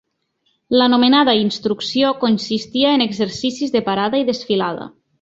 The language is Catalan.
L'anomenada «instrucció» consistia en exercicis de parada i desfilada